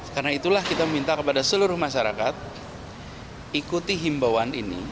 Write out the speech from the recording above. karena itulah kita minta kepada seluruh masyarakat ikuti himbauan ini